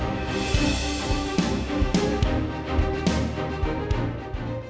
tidak ada yang bisa dipercaya